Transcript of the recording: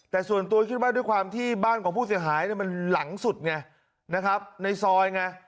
แต่ส่วนตัวคิดว่าด้วยความที่บ้านของผู้เสียหายมันหลังสุดไงนะครับในซอยไง